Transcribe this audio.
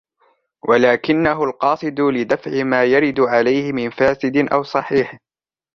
وَلَكِنَّهُ الْقَاصِدُ لِدَفْعِ مَا يَرِدُ عَلَيْهِ مِنْ فَاسِدٍ أَوْ صَحِيحٍ